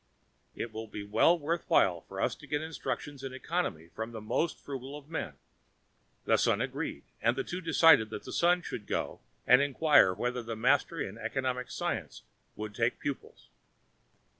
It will be well worth while for us to get instructions in economy from the Most Frugal of Men." The son agreed, and the two decided that the son should go and inquire whether the master in economic science would take pupils.